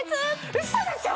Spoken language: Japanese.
ウソでしょ！？